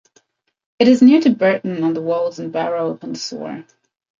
It is near to Burton on the Wolds and Barrow upon Soar.